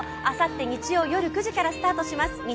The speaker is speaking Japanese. あさって日曜夜９時からスタートします